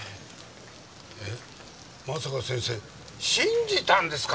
えっまさか先生信じたんですか？